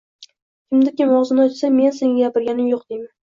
Kimda-kim og‘zini ochsa... men senga gapirganim yo‘q, deyman...